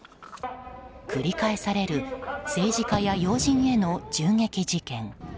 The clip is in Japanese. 繰り返される政治家や要人への銃撃事件。